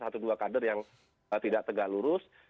satu dua kader yang tidak tegak lurus